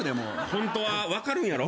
ホントは分かるんやろ？